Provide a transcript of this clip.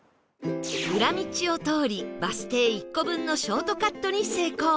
裏道を通りバス停１個分のショートカットに成功